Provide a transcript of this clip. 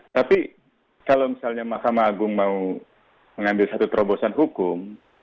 tapi kalau misalnya mahkamah agung mau mengambil satu terobosan hukum